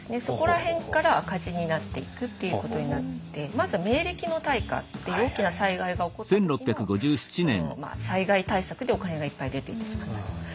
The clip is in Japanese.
そこら辺から赤字になっていくっていうことになってまずは明暦の大火っていう大きな災害が起こった時の災害対策でお金がいっぱい出ていってしまったと。